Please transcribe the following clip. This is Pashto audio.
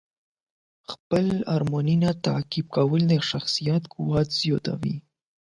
خپل ارمانونه تعقیب کول د شخصیت قوت زیاتوي.